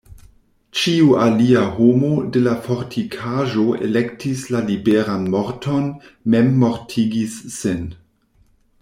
Ĉiu alia homo de la fortikaĵo elektis la liberan morton, memmortigis sin.